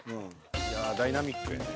いやダイナミックやね。